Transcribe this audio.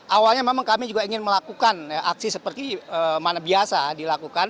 awalnya memang kami juga ingin melakukan aksi seperti mana biasa dilakukan